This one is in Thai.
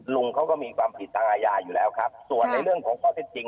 ลุงเขาก็มีความผิดทางอาญาอยู่แล้วครับส่วนในเรื่องของข้อเท็จจริง